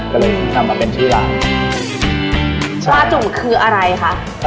ก็เลยนำมาเป็นชื่อร้านปลาจูดคืออะไรคะ